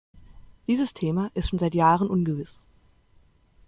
Dieses Thema ist schon seit Jahren ungewiss.